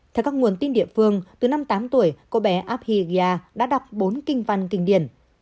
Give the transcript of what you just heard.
theo các nguồn tin địa phương từ năm tám tuổi cô bé abgha đã đọc bốn kinh văn kinh điển